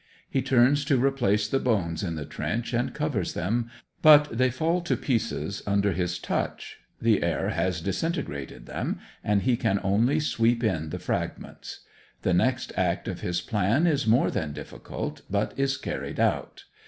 He turns to replace the bones in the trench and covers them. But they fall to pieces under his touch: the air has disintegrated them, and he can only sweep in the fragments. The next act of his plan is more than difficult, but is carried out.